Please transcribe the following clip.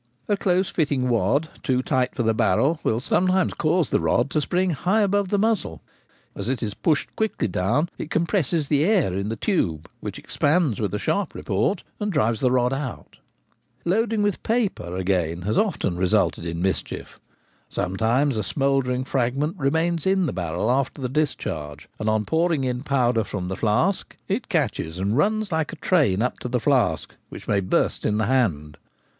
A close fitting wad, too tight for the bar rel, will sometimes cause the rod to spring high above the muzzle : as it is pushed quickly down it com presses the air in the tube, which expands with a sharp report and drives the rod out Loading with paper, again, has often resulted in mischief : sometimes a smouldering fragment remains in the barrel after the discharge, and on pouring in powder from the flask it catches and runs like a train up to the flask, which may burst in the hand.